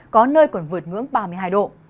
có nơi còn vượt ngưỡng ba mươi hai độ